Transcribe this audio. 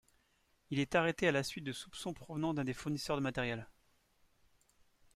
Il est arrêté à la suite de soupçons provenant d'un des fournisseurs de matériel.